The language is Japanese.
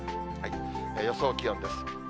予想気温です。